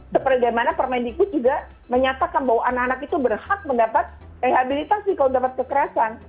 sebagaimana permendikbud juga menyatakan bahwa anak anak itu berhak mendapat rehabilitasi kalau dapat kekerasan